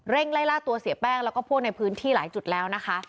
ไล่ล่าตัวเสียแป้งแล้วก็พวกในพื้นที่หลายจุดแล้วนะคะ